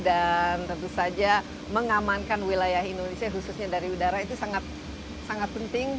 dan tentu saja mengamankan wilayah indonesia khususnya dari udara itu sangat penting